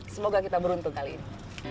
semoga kita beruntung kali ini